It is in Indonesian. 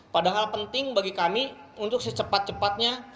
padahal penting bagi kami untuk secepat cepatnya